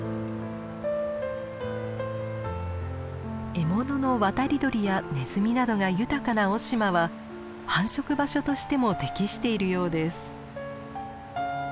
獲物の渡り鳥やネズミなどが豊かな雄島は繁殖場所としても適しているようです。